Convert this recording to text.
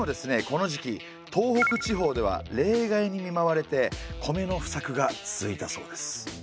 この時期東北地方では冷害にみまわれて米の不作が続いたそうです。